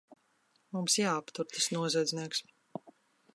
Mums jāaptur tas noziedznieks!